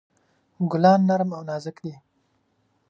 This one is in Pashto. ګلان نرم او نازک دي.